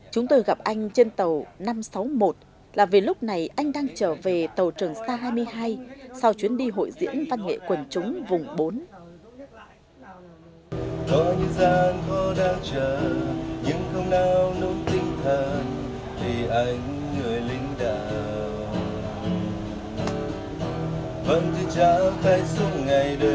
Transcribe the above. chúng tôi gặp anh trên tàu năm trăm sáu mươi một là vì lúc này anh đang trở về tàu trường xa hai mươi hai sau chuyến đi hội diễn văn nghệ quần chúng vùng bốn